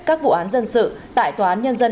các vụ án dân sự tại tòa án nhân dân